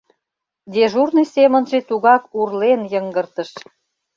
Дежурный семынже тугак урлен, йыҥгыртыш.